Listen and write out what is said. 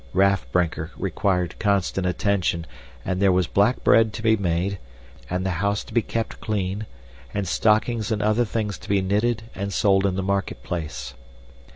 Raff Brinker required constant attention, and there was black bread to be made, and the house to be kept clean, and stockings and other things to be knitted and sold in the marketplace.